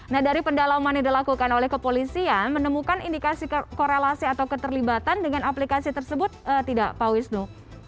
nah dari pendalaman yang dilakukan oleh kepolisian menemukan indikasi korelasi atau keterlibatan dengan aplikasi tersebut tidak pak wisnu